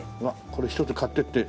これ１つ買ってって。